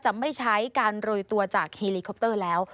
จะไม่ใช้การโดยตัวจากแหลกทั่วแล้ว